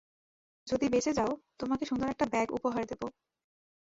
যদি বেঁচে যাও, তোমাকে সুন্দর একটা ব্যাগ উপহার দেব।